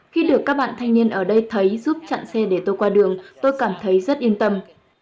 khi được các bạn thanh niên ở đây thấy giúp chặn xe để tôi qua đường tôi cảm thấy rất yên tâm